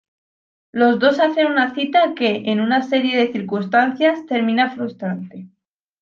Los dos hacen una cita que, en una serie de circunstancias, termina frustrante.